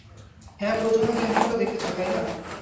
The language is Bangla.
হ্যাঁ, প্রজনন কেন্দ্রটা তো দেখেছো, তাই না?